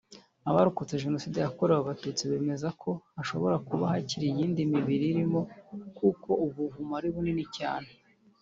Abarokotse Jenoside yakorewe Abatutsi bemeza ko hashobora kuba hakiri iyindi mibiri irimo kuko ubu buvumo ari bunini cyane